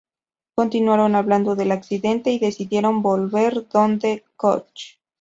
Continuaron hablando del accidente y decidieron volver donde Koch.